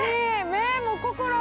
目も心も。